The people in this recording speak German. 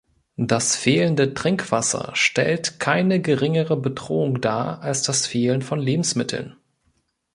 Das fehlende Trinkwasser stellt keine geringere Bedrohung dar als das Fehlen von Lebensmitteln.